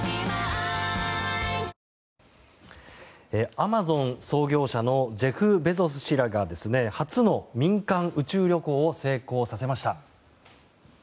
アマゾン創業者のジェフ・ベゾス氏らが初の民間宇宙旅行を成功させました。